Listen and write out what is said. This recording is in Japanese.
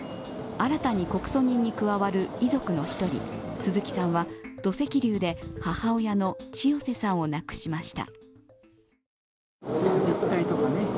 新たに告訴人に加わる遺族の１人、鈴木さんは土石流で母親のチヨセさんを亡くしました。